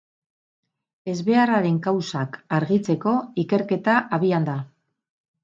Ezbeharraren kausak argitzeko ikerketa abian da.